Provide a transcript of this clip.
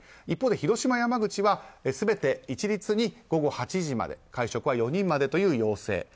一方で広島、山口は全て一律に午後８時まで会食は４人までという要請。